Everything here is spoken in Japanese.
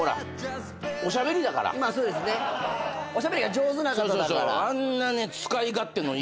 おしゃべりが上手な方だから。